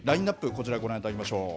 こちらご覧いただきましょう。